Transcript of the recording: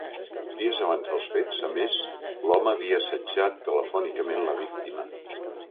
Dies abans dels fets, a més, l’home havia assetjant telefònicament la víctima.